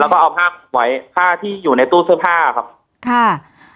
แล้วก็เอาผ้าไว้ผ้าที่อยู่ในตู้เสื้อผ้าครับค่ะ